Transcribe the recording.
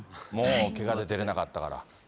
もうけがで出られなかったから。